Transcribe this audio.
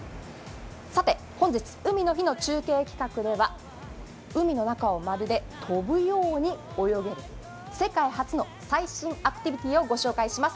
さて、本日、海の日の中継企画では海の中をまるで飛ぶように泳ぐ世界初の最新アクティビティーをご紹介します。